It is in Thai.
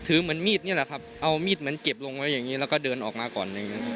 เอามีดเหมือนเก็บลงแล้วอย่างนี้แล้วก็เดินออกมาก่อน